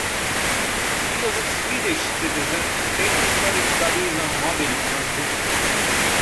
He was a Swedish citizen, famous for his studies on mobbing among humans.